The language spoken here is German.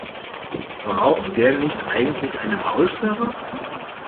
Braucht der nicht eigentlich eine Maulsperre?